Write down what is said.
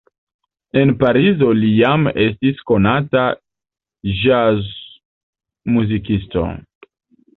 En Parizo li jam estis konata ĵazmuzikisto.